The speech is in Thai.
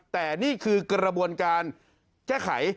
แต่นี่คือกระบวนการแก้ไข